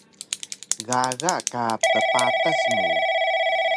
Gaga ka ppatas mu